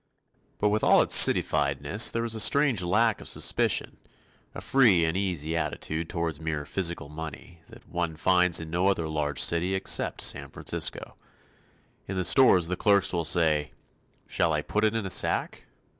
But with all its cityfiedness, there is a strange lack of suspicion, a free and easy attitude toward mere physical money, that one finds in no other large city except San Francisco. In the stores the clerks will say: "Shall I put it in a sack?"